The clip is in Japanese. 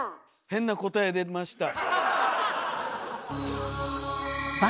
変な答え出ました。